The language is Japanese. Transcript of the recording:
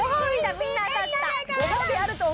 みんな当たった。